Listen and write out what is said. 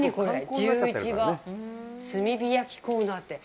自由市場、炭火焼きコーナーって。